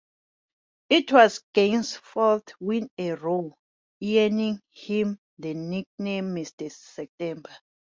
It was Gant's fourth win in a row, earning him the nickname Mr. September.